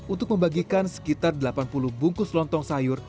untuk membagikan sekitar delapan puluh bungkus lontong sayur